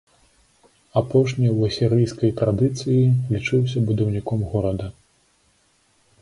Апошні ў асірыйскай традыцыі лічыўся будаўніком горада.